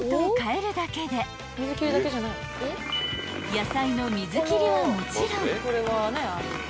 ［野菜の水切りはもちろん］